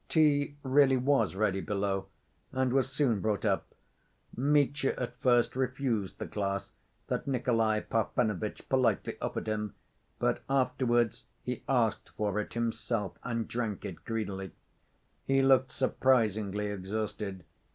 Tea really was ready below, and was soon brought up. Mitya at first refused the glass that Nikolay Parfenovitch politely offered him, but afterwards he asked for it himself and drank it greedily. He looked surprisingly exhausted.